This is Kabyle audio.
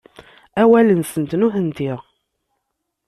Awal-nsent, nutenti.